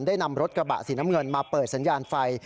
นำรถกระบะสีน้ำเงินมาเปิดสัญญาณไฟ